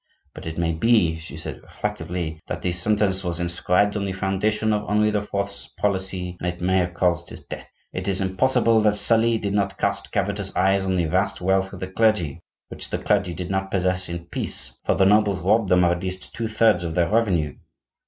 But it may be,' she said reflectively, 'that that sentence was inscribed on the foundation of Henri IV.'s policy, and it may have caused his death. It is impossible that Sully did not cast covetous eyes on the vast wealth of the clergy,—which the clergy did not possess in peace, for the nobles robbed them of at least two thirds of their revenue.